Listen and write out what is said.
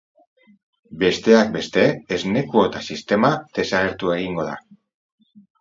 Besteak beste, esne kuota sistema desagertu egingo da.